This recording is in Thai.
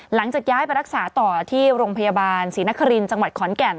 หลังจากย้ายไปรักษาต่อที่โรงพยาบาลศรีนครินทร์จังหวัดขอนแก่น